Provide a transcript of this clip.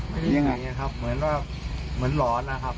ไม่ได้หนีครับเหมือนว่าเหมือนหลอนนะครับ